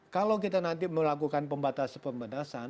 kalau kita nanti melakukan pembatasan pembatasan